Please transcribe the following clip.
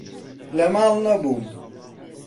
لە ماڵ نەبوون.